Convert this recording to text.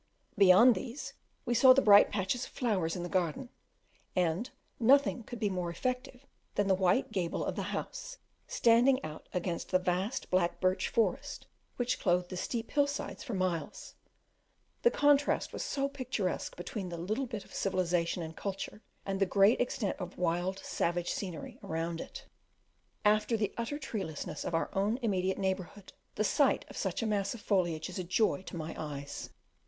Beyond these we saw the bright patches of flowers in the garden, and nothing could be more effective than the white gable of the house standing out against the vast black birch forest which clothed the steep hill sides for miles the contrast was so picturesque between the little bit of civilization and culture and the great extent of wild, savage scenery around it. After the utter treelessness of our own immediate neighbourhood, the sight of such a mass of foliage is a joy to my eyes.